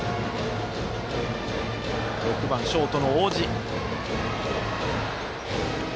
６番、ショートの大路。